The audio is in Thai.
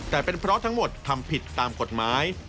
แต่เป็นเพราะทั้งหมดทำผิดตามกฎหมาย